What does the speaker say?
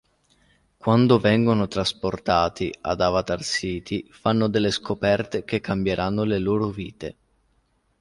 Quando vengono trasportati ad Avatar City fanno delle scoperte che cambieranno le loro vite.